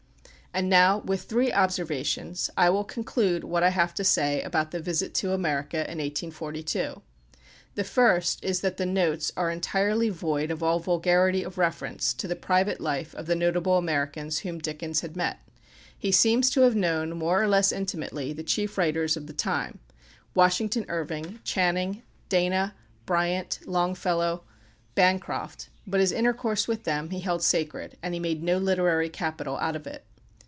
And now, with three observations, I will conclude what I have to say about the visit to America in 1842. The first is that the "Notes" are entirely void of all vulgarity of reference to the private life of the notable Americans whom Dickens had met. He seems to have known, more or less intimately, the chief writers of the time Washington Irving, Channing, Dana, Bryant, Longfellow, Bancroft; but his intercourse with them he held sacred, and he made no literary capital out of it.